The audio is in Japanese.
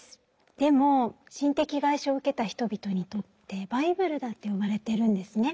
でも心的外傷を受けた人々にとってバイブルだと呼ばれてるんですね。